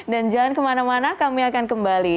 jangan kemana mana kami akan kembali